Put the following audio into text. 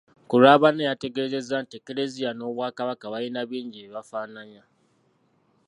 Ku lwa banne yategeezezza nti Ekereziya n'Obwakabaka balina bingi bye bafaananya.